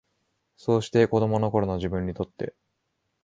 そうして、子供の頃の自分にとって、